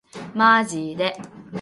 マジで